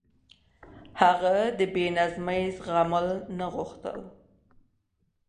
هغه د بې نظمي زغمل نه غوښتل.